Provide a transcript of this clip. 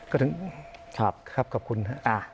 ก็ถึงครับขอบคุณน่ะ